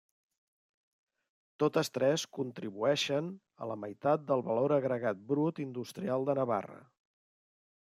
Totes tres contribueixen a la meitat del valor agregat brut industrial de Navarra.